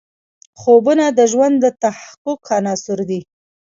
خوبونه د ژوند د تحقق عناصر دي.